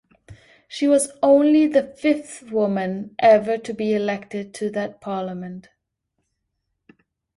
She was only the fifth woman ever to be elected to that parliament.